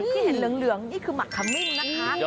ที่เห็นเหลืองนี่คือหมักขมิ้นนะคะ